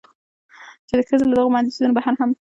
چې ښځې له دغو بندېزونو بهر هم